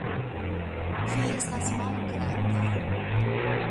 Vi estas malgranda.